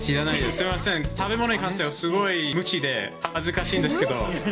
すみません、食べ物に関してはすごい無知で、恥ずかしいんですけど。